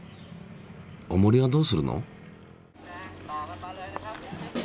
おもりはどうするの？